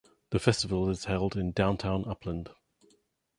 The festival is held in downtown Upland.